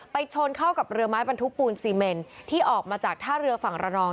ชนเข้ากับเรือไม้บรรทุกปูนซีเมนที่ออกมาจากท่าเรือฝั่งระนอง